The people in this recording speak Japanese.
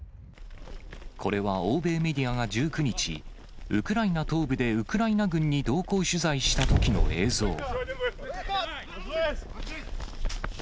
これは欧米メディアが１９日、ウクライナ東部でウクライナ軍に同行取材したときの映像。